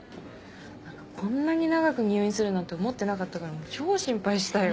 何かこんなに長く入院するなんて思ってなかったから超心配したよ。